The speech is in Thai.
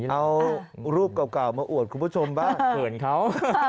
เอารูปเก่ามาอวดคุณผู้ชมบ้างเขินเขา